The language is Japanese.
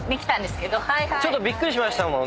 ちょっとびっくりしましたもん。